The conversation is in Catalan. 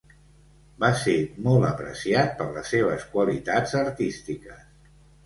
Va ser molt apreciat per les seves qualitats artístiques.